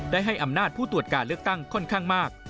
ให้อำนาจผู้ตรวจการเลือกตั้งค่อนข้างมาก